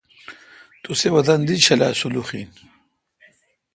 تسے° وطن دی ڄھلا سلُوخ این۔